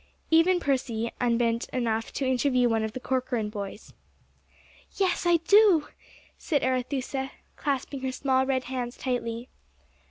Even Percy unbent enough to interview one of the Corcoran boys. "Yes, I do," said Arethusa, clasping her small red hands tightly.